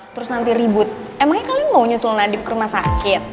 terus nanti ribut emangnya kalian mau nyusul nadif ke rumah sakit